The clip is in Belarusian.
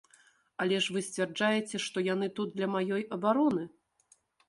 Але ж вы сцвярджаеце, што яны тут для маёй абароны.